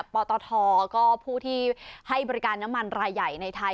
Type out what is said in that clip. ปตทก็ผู้ที่ให้บริการน้ำมันรายใหญ่ในไทย